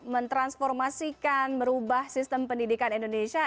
mentransformasikan merubah sistem pendidikan indonesia